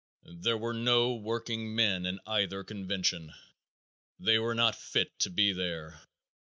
There were no workingmen in either convention. They were not fit to be there.